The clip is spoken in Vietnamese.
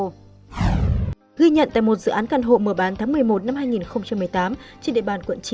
ghi nhận tại một dự án căn hộ mở bán tháng một mươi một năm hai nghìn một mươi tám trên địa bàn quận chín